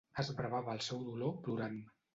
Esbravava el seu dolor plorant.